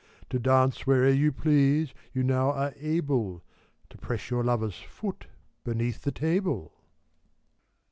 To dance whene'er you please, you now are able ; To press your lover's foot, beneath the table.